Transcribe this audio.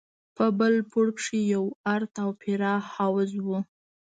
په بل پوړ کښې يو ارت او پراخ حوض و.